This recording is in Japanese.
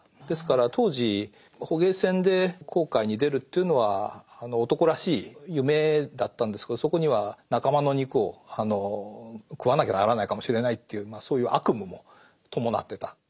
ですから当時捕鯨船で航海に出るというのは男らしい夢だったんですけどそこには仲間の肉を食わなきゃならないかもしれないというそういう悪夢も伴ってた。